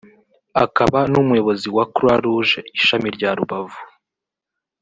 akaba n’umuyobozi wa Croix Rouge ishami rya Rubavu